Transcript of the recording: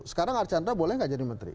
sekarang archandra boleh nggak jadi menteri